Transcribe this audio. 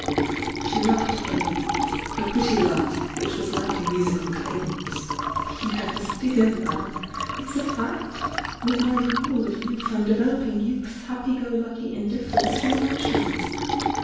She laughed a^^ — her pretty laugh, — which was like a musical cadence. "Yes, dear Madame!— it's a fact!— with my re newal of youth I'm developing youth's happy go lucky indiiFerence to emotions!